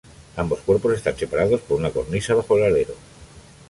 Ambos cuerpos están separados por una cornisa, bajo el alero.